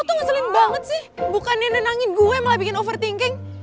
lo tuh ngeselin banget sih bukan nenek nangin gue malah bikin overthinking